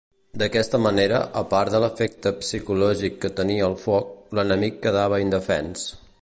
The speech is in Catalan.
D'aquesta manera, a part de l'efecte psicològic que tenia el foc, l'enemic quedava indefens.